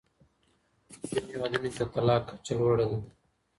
په ځینو هېوادونو کې د طلاق کچه لوړه ده.